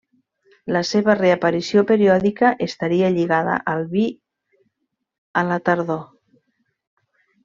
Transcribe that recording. La seva reaparició periòdica estaria lligada al vi a la tardor.